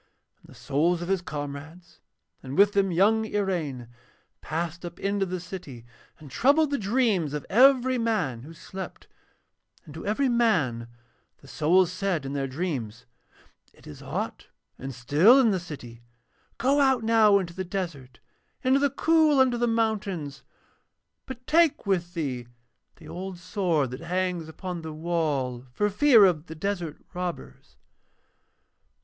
And the souls of his comrades, and with them young Iraine, passed up into the city and troubled the dreams of every man who slept, and to every man the souls said in their dreams: 'It is hot and still in the city. Go out now into the desert, into the cool under the mountains, but take with thee the old sword that hangs upon the wall for fear of the desert robbers.'